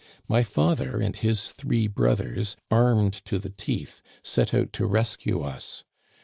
My father and his three brothers, armed to the teeth, set out to rescue us.